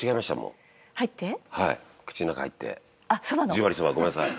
十割そばごめんなさい。